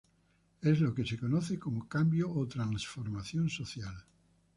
Es lo que se conoce como cambio o transformación social.